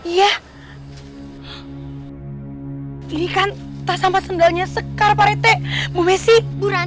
jadi tolong lepasin dia